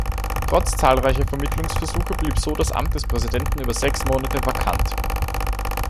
Trotz zahlreicher Vermittlungsversuche blieb so das Amt des Präsidenten über sechs Monate vakant.